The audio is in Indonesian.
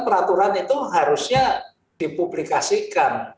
peraturan itu harusnya dipublikasikan